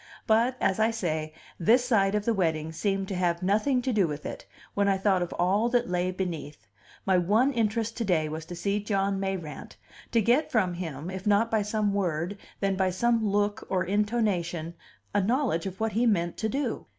But, as I say, this side of the wedding seemed to have nothing to do with it, when I thought of all that lay beneath; my one interest to day was to see John Mayrant, to get from him, if not by some word, then by some look or intonation, a knowledge of what he meant to do.